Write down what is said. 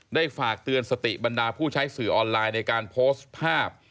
ฝากเตือนสติบรรดาผู้ใช้สื่อออนไลน์ในการโพสต์ภาพ